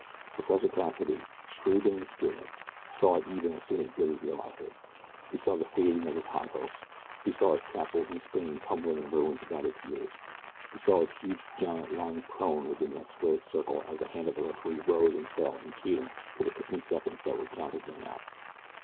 Professor Cassidy, shrewd and experienced, saw it even as soon as Billy realized it he saw the fading of his high hopes he saw his castles in Spain tumbling in ruins about his ears he saw his huge giant lying prone within that squared circle as the hand of the referee rose and fell in cadence to the ticking of seconds that would count his man out.